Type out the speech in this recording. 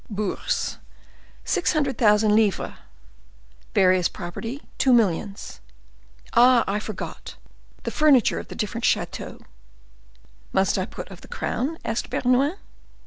"Bourse, six hundred thousand livres; various property, two millions. Ah! I forgot—the furniture of the different chateaux—" "Must I put of the crown?" asked Bernouin.